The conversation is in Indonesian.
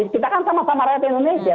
kita kan sama sama rakyat indonesia